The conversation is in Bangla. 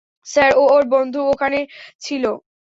স্যার, ও ওর বন্ধুর ওখানে ছিলো।